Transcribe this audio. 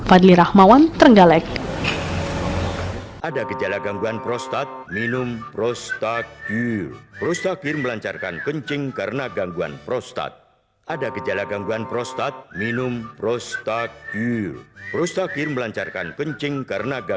agli rahmawan trenggalek